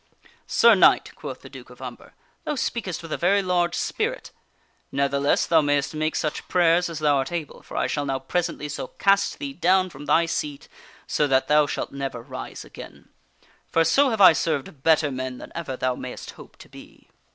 " Sir Knight," quoth the Duke of Umber, "thou speakest with a very large spirit. Ne'theless, thou mayst make such prayers as thou art able, for I shall now presently so cast thee down from thy seat, so that thou shalt never rise again ; for so have I served better men than ever thou mayst hope to be."